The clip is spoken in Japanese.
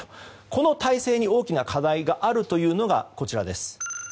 この体制に大きな課題があるというのが、こちらです。